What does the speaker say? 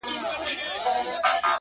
مړ مه سې، د بل ژوند د باب وخت ته،